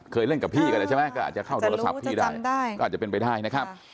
เล่นกับพี่กันแล้วใช่ไหมก็อาจจะเข้าโทรศัพท์พี่ได้ก็อาจจะเป็นไปได้นะครับ